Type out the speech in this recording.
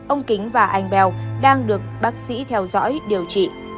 ông kính và anh bèo đang được bác sĩ theo dõi điều trị